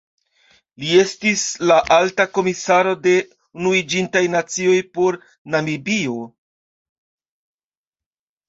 Li estis la Alta Komisaro de Unuiĝintaj Nacioj por Namibio.